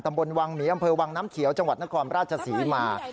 บนวังหมีอำเภอวังน้ำเขียวจังหวัดนครราชศรีมา